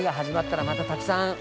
始まったらまたたくさん。